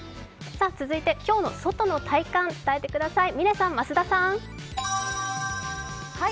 続いて、今日の外の体感伝えてください。